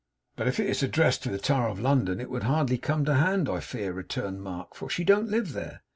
'But if it is addressed to the Tower of London, it would hardly come to hand, I fear,' returned Martin; 'for she don't live there.